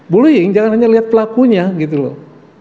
bullying jangan hanya lihat pelakunya gitu loh